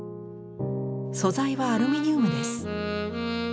素材はアルミニウムです。